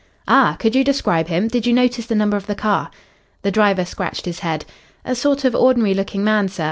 "Ah! Could you describe him? Did you notice the number of the car?" The driver scratched his head. "A sort of ordinary looking man, sir.